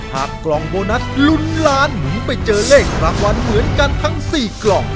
กล่องโบนัสลุ้นล้านหมุนไปเจอเลขรางวัลเหมือนกันทั้ง๔กล่อง